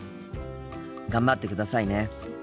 頑張ってくださいね。